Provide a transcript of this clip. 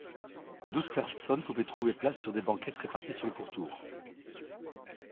Douze personnes pouvaient trouver place sur des banquettes réparties sur le pourtour.